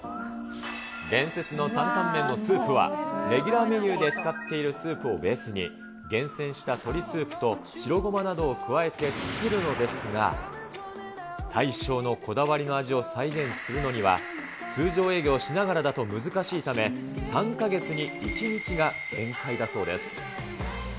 伝説の担々麺のスープは、レギュラーメニューで使っているスープをベースに、厳選した鶏スープと白ごまなどを加えて作るのですが、大将のこだわりの味を再現するのには、通常営業しながらだと難しいため、３か月に１日が限界だそうです。